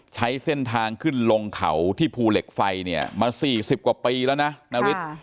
ใช้เส้นทางขึ้นลงเขาที่ภูเหล็กไฟเนี้ยมาสี่สิบกว่าปีแล้วนะค่ะ